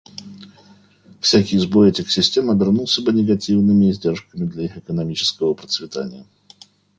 Всякий сбой этих систем обернулся бы негативными издержками для их экономического процветания.